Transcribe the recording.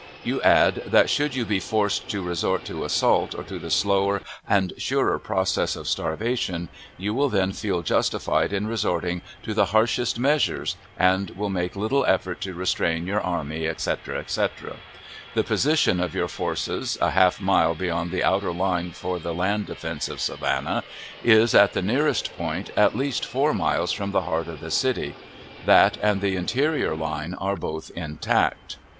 You add that, should you be "forced to resort to assault, or to the slower and surer process of starvation, you will then feel justified in resorting to the harshest measures, and will make little effort to restrain your army," etc., etc. The position of your forces (a half mile beyond the outer line for the land defense of Savannah) is, at the nearest point, at least four miles from the heart of the city. That and the interior line are both intact.